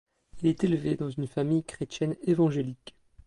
Il est élevé dans une famille chrétienne évangélique.